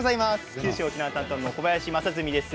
九州、沖縄担当の小林将純です。